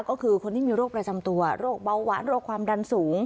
ก็คือคนที่มีโรคประจำตัวโรคเบาหวานโรคความดันสูง